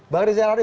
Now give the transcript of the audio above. bang rizal rani